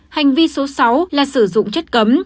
hành vi số sáu là sử dụng chất cấm